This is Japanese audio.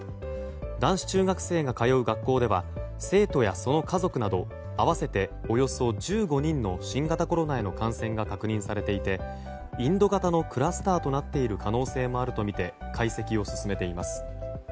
男子中学生が通う学校では生徒やその家族など合わせておよそ１５人の新型コロナへの感染が確認されていてインド型のクラスターとなっている可能性もあるとみて解析を進めています。